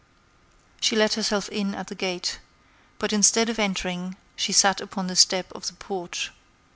She let herself in at the gate, but instead of entering she sat upon the step of the porch.